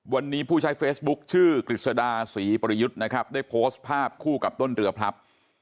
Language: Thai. วันนี้ผู้ใช้เฟซบุ๊คชื่อกฤษดาศรีปริยุทธ์นะครับได้โพสต์ภาพคู่กับต้นเรือพลับ